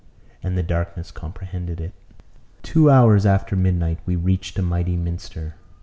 And the darkness comprehended it. Two hours after midnight we reached a mighty minster.